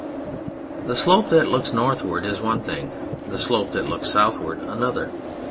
The slope that looks northward is one thing, the slope that looks southward another.